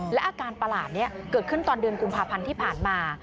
และอาการประหลาดนี้เกิดขึ้นตอนเดือนกุมภาพันธ์ที่ผ่านมา